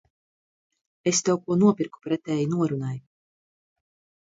Es tev ko nopirku pretēji norunai.